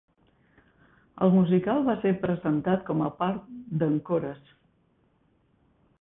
El musical va ser presentat com a part d'"Encores!".